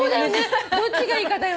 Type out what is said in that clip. どっちがいいかだよね。